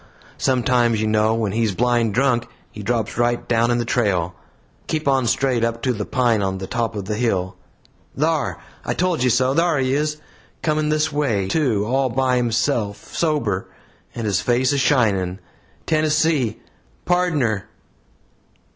Sometimes, you know, when he's blind drunk, he drops down right in the trail. Keep on straight up to the pine on the top of the hill. Thar I told you so! thar he is coming this way, too all by himself, sober, and his face a shining. Tennessee! Pardner!"